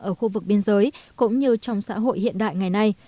ở khu vực biên giới cũng như trong xã hội hiện đại ngày nay